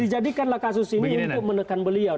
dijadikanlah kasus ini untuk menekan beliau